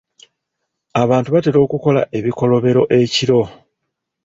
Abantu batera okukola ebikolobero ekiro.